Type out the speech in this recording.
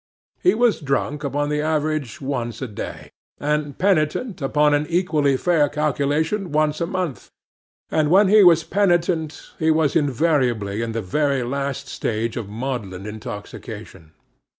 He was drunk upon the average once a day, and penitent upon an equally fair calculation once a month; and when he was penitent, he was invariably in the very last stage of maudlin intoxication.